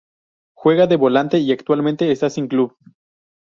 Juega de volante y actualmente esta sin club.